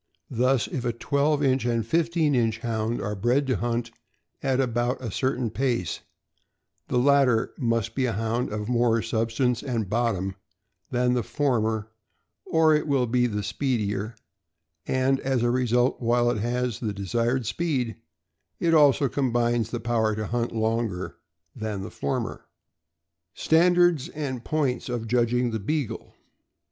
Thus, if a twelve inch and fifteen inch Hound are bred to hunt at about a certain pace, the latter must be a Hound of more substance and bottom than the former or it will be the speedier; and, as a result, while it has the desired speed, it also combines the power to hunt longer than the former. STANDARD AND POINTS OF JUDGING THE BEAGLE.